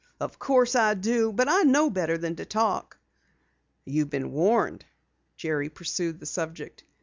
"Of course I do! But I know better than to talk." "You've been warned?" Jerry pursued the subject.